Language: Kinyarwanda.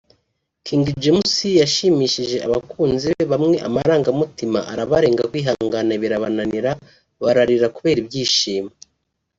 King James yashimishije abakunzi be bamwe amarangamutima arabarenga kwihangana birabananira bararira kubera ibyishimo